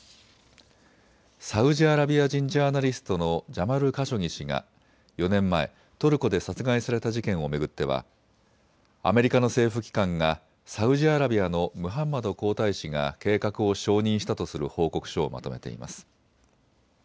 サウジアラビア人ジャーナリストのジャマル・カショギ氏が４年前、トルコで殺害された事件を巡ってはアメリカの政府機関がサウジアラビアのムハンマド皇太子が計画を承認したとする報告書をまとめています。